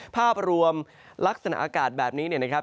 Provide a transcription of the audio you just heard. ภาพรวมลักษณะอากาศแบบนี้เนี่ยนะครับ